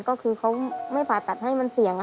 ก็คือเขาไม่ผ่าตัดให้มันเสี่ยง